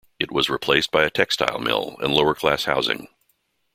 It was replaced by a textile mill and lower-class housing.